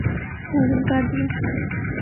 Tahir al-Qadri